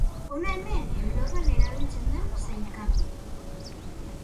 Hona hemen Europan erabiltzen den sailkapena.